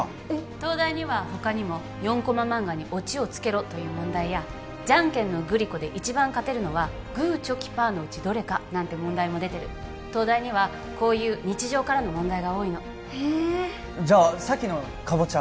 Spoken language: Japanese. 東大には他にも４コマ漫画にオチをつけろという問題やじゃんけんのグリコで一番勝てるのはグーチョキパーのうちどれか？なんて問題も出てる東大にはこういう日常からの問題が多いのへえじゃあさっきのかぼちゃ